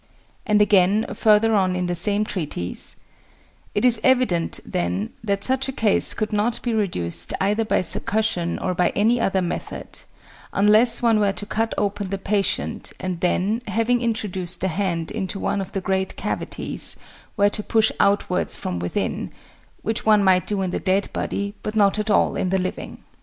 And again, further on in the same treatise, "It is evident, then, that such a case could not be reduced either by succussion or by any other method, unless one were to cut open the patient, and then, having introduced the hand into one of the great cavities, were to push outwards from within, which one might do in the dead body, but not at all in the living."